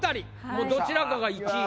もうどちらかが１位２位。